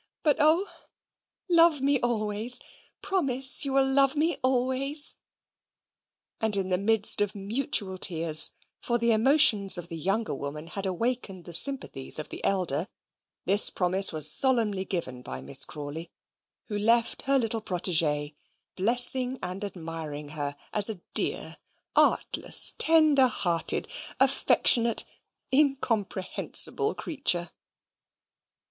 But O! love me always promise you will love me always." And in the midst of mutual tears for the emotions of the younger woman had awakened the sympathies of the elder this promise was solemnly given by Miss Crawley, who left her little protege, blessing and admiring her as a dear, artless, tender hearted, affectionate, incomprehensible creature.